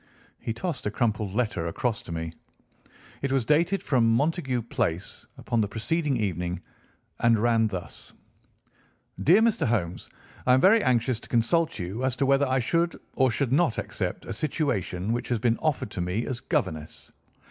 He tossed a crumpled letter across to me. It was dated from Montague Place upon the preceding evening, and ran thus: "DEAR MR. HOLMES,—I am very anxious to consult you as to whether I should or should not accept a situation which has been offered to me as governess.